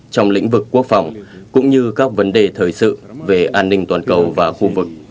trong lĩnh vực quốc phòng cũng như các vấn đề thời sự về an ninh toàn cầu và khu vực